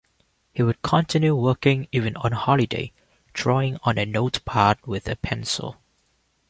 He would continue working, even on holiday, drawing on a notepad with a pencil.